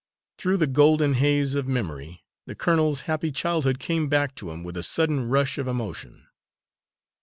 Through the golden haze of memory the colonel's happy childhood came back to him with a sudden rush of emotion.